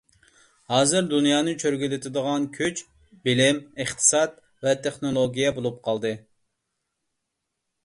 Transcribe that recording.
ھازىر دۇنيانى چۆرگۈلىتىدىغان كۈچ — بىلىم، ئىقتىساد ۋە تېخنولوگىيە بولۇپ قالدى.